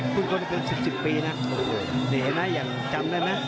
มีกว่าเกินสิบซิบปีน่ะโอ้โหเนี้ยนะอย่างจำได้มั้ย